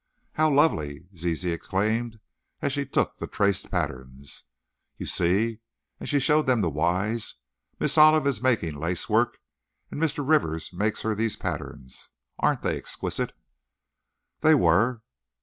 "How lovely!" Zizi exclaimed, as she took the traced patterns. "You see," and she showed them to Wise, "Miss Olive is making lace work, and Mr. Rivers makes her these patterns. Aren't they exquisite?" They were.